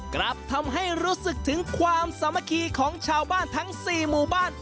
กลับทำให้รู้สึกถึงความสามัคคีของชาวบ้านทั้ง๔หมู่บ้าน